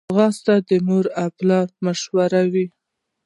ځغاسته د مور او پلار مشوره وي